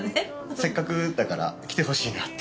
せっかくだから来てほしいなって。